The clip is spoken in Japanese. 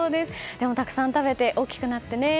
でも、たくさん食べて大きくなってね。